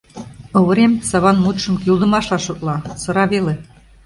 Оврем Саван мутшым кӱлдымашлан шотла, сыра веле.